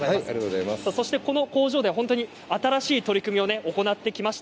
そして、この工場では新しい取り組みを行ってきました。